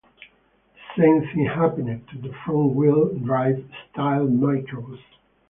The same thing happened to the front-wheel drive "Style" microbus.